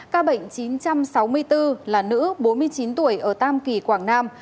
các bệnh chín trăm sáu mươi bốn là nữ bốn mươi chín tuổi ở tam kỳ quảng nam